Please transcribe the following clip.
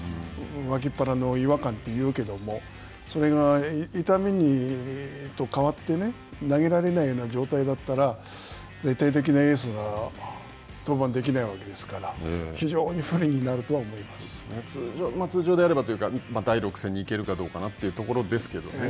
脇腹の違和感というけどもそれが痛みへと変わって、投げられないような状態だったら絶対的なエースが登板できないわけですから通常であればというか第６戦にいけるかどうかなというところですけどね。